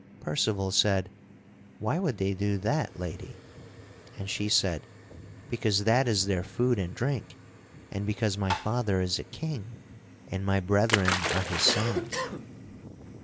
Percival said, "Why would they do that, lady?" And she said: "Because that is their food and drink, and because my father is a king and my brethren are his sons."